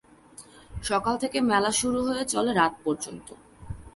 সকাল থেকে মেলা শুরু হয়ে চলে রাত পর্যন্ত।